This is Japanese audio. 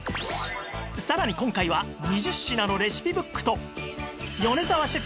さらに今回は２０品のレシピブックと米澤シェフ